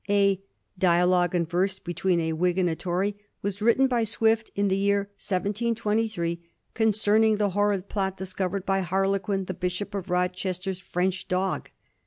A * Dialogue in Verse between a Whig and a Tory' was written by Swift in the year 1723, * con cerning the horrid plot discovered by Harlequin, the Bishop of Rochester's French Dog.'